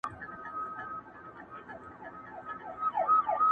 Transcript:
دا مرغلري خریدار نه لري!